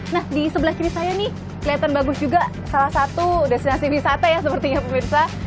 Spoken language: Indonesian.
nah di sebelah kiri saya nih kelihatan bagus juga salah satu destinasi wisata ya sepertinya pemirsa